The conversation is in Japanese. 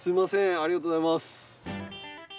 ありがとうございます。